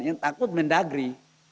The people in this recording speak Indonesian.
yang takut mendagri